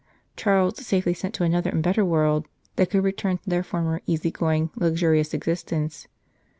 Charles safely sent to another and better world, they could return to their former easy going, luxurious existence.